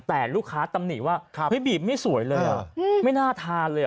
แต่ลูกค้าตำหนิว่าเฮ้ยบีบไม่สวยเลยอ่ะไม่น่าทานเลย